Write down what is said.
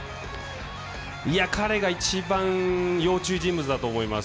彼が一番要注意人物だと思います。